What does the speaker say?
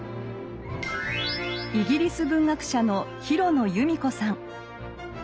イギリス文学者の廣野由美子さん。